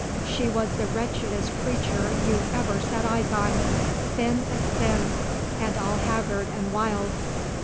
She was the wretchedest creature you ever set eyes on; thin as thin; and all haggard and wild.